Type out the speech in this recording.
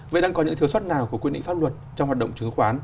vậy đang có những thiếu suất nào của quy định pháp luật trong hoạt động chứng khoán